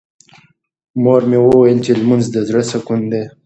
مور مې وویل چې لمونځ د زړه سکون دی.